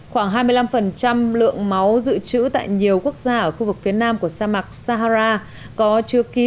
khoảng hai mươi năm lượng máu dự trữ tại nhiều quốc gia ở khu vực phía nam của sa mạc sahara có chưa ký